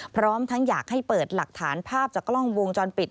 พร้อมทั้งอยากให้เปิดหลักฐานภาพจากกล้องวงจรปิด